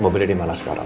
mobilnya dimana sekarang